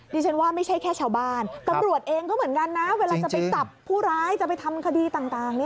ดิฉันว่าไม่ใช่แค่ชาวบ้านตำรวจเองก็เหมือนกันนะเวลาจะไปจับผู้ร้ายจะไปทำคดีต่าง